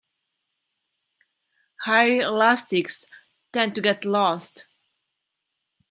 Hair elastics tend to get lost.